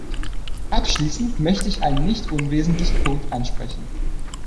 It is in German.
Abschließend möchte ich einen nicht unwesentlichen Punkt ansprechen.